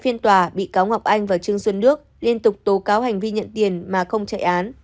trong phiên tòa bị cáo ngọc anh và trương xuân đức liên tục tố cáo hành vi nhận tiền mà không chạy án